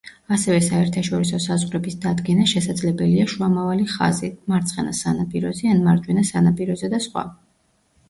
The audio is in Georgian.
ასევე საერთაშორისო საზღვრების დადგენა შესაძლებელია შუამავალი ხაზით, მარცხენა სანაპიროზე, ან მარჯვენა სანაპიროზე და სხვა.